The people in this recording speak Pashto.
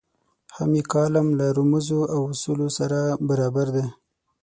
هم یې کالم له رموزو او اصولو سره برابر دی.